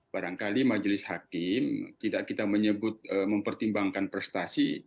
barangkali majelis hakim tidak kita menyebut mempertimbangkan prestasi